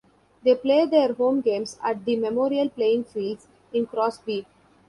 They play their home games at the Memorial Playing Fields in Crosby.